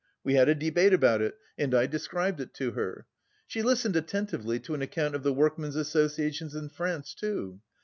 We had a debate about it and I described it to her. She listened attentively to an account of the workmen's associations in France, too.